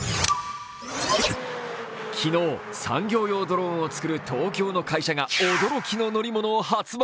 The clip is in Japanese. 昨日、産業用ドローンを作る東京の会社が驚きの乗り物を発売。